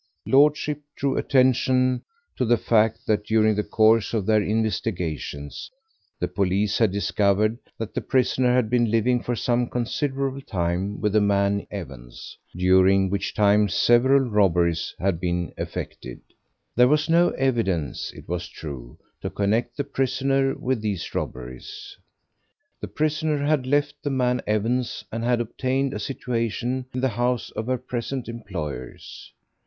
Lordship drew attention to the fact that during the course of their investigations the police had discovered that the prisoner had been living for some considerable time with the man Evans, during which time several robberies had been effected. There was no evidence, it was true, to connect the prisoner with these robberies. The prisoner had left the man Evans and had obtained a situation in the house of her present employers.